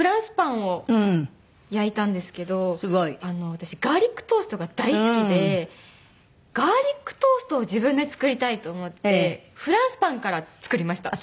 私ガーリックトーストが大好きでガーリックトーストを自分で作りたいと思ってフランスパンから作りました。